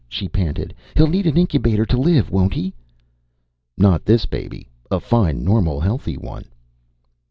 she panted. "He'll need an incubator ... to live ... won't he?" "Not this baby. A fine, normal, healthy one."